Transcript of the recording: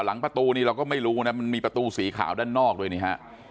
หลังประตูนี้เราก็ไม่รู้นะมันมีประตูสีขาวด้านนอกด้วยนี่ฮะ